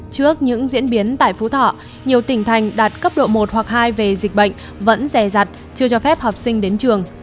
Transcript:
trước những diễn biến tại phú thọ nhiều tỉnh thành đạt cấp độ một hoặc hai về dịch bệnh vẫn rè rặt chưa cho phép học sinh đến trường